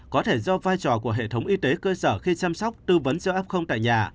có thể do vai trò của hệ thống y tế cơ sở khi chăm sóc tư vấn cof tại nhà